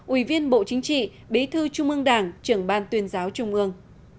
ủy viên bộ chính trị bí thư trung ương đảng trưởng ban tuyên giáo trung ương